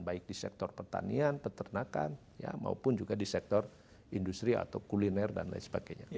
baik di sektor pertanian peternakan maupun juga di sektor industri atau kuliner dan lain sebagainya